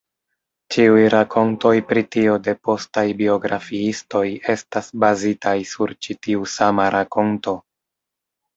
Ĉiuj rakontoj pri tio de postaj biografiistoj estas bazitaj sur ĉi tiu sama rakonto.